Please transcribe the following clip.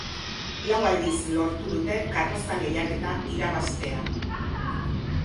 Lau aldiz lortu dute karroza lehiaketa irabaztea.